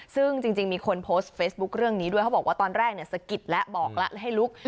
ซึ่งจริงมีคนโพสต์เฟซบุ๊คเรื่องนี้ด้วยเขาบอกว่าตอนแรกสะกิดแล้วบอกแล้วให้ลุก